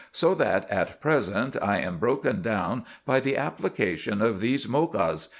So that at present I am broken down by the application of these Mochas....